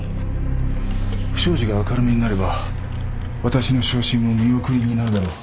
不祥事が明るみになれば私の昇進も見送りになるだろう。